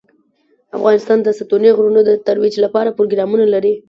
افغانستان د ستوني غرونه د ترویج لپاره پروګرامونه لري.